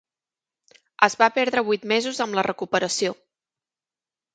Es va perdre vuit mesos amb la recuperació.